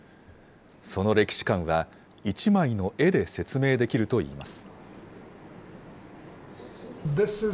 その歴史観は一枚の絵で説明できるといいます。